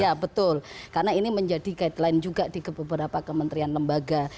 ya betul karena ini menjadi guideline juga di ke beberapa kementerian lembaga